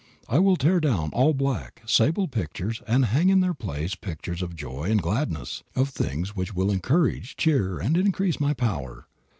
I will tear down all black, sable pictures and hang in their place pictures of joy and gladness, of things which will encourage, cheer, and increase my power.